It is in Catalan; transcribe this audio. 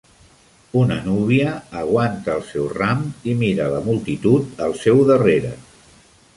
Una núvia aguanta el seu ram i mira a la multitud al seu darrere.